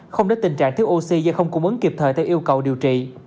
không để tình trạng thiếu oxy do không cung ứng kịp thời theo yêu cầu điều trị